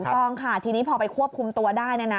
ถูกต้องค่ะทีนี้พอไปควบคุมตัวได้